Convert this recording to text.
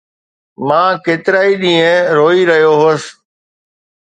مان ڪيترائي ڏينهن روئي رهيو هوس